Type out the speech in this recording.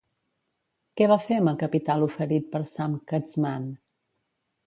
Què va fer amb el capital oferit per Sam Katzman?